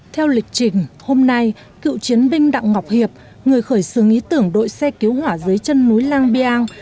theo lịch trình hôm nay cựu chiến binh đặng ngọc hiệp người khởi xương ý tưởng đội xe cứu hỏa dưới chân núi lang biang